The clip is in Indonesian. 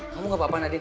kamu gak apa apa nadine